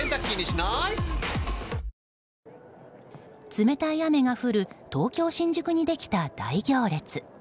冷たい雨が降る東京・新宿にできた大行列。